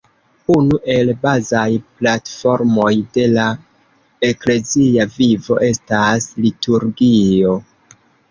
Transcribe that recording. Unu el bazaj platformoj de la eklezia vivo estas liturgio.